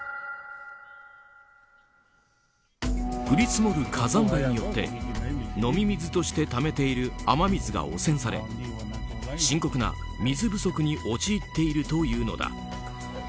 降り積もる火山灰によって飲み水としてためている雨水が汚染され深刻な水不足に陥っているというのだ。